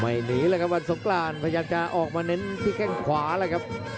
หนีเลยครับวันสงกรานพยายามจะออกมาเน้นที่แข้งขวาแล้วครับ